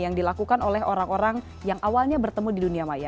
yang dilakukan oleh orang orang yang awalnya bertemu di dunia maya